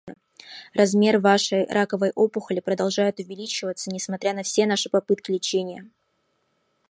Размер вашей раковой опухоли продолжает увеличиваться несмотря на все наши попытки лечения.